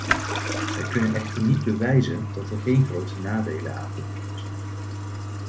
Zij kunnen echter niet bewijzen dat er geen grote nadelen aan verbonden zijn.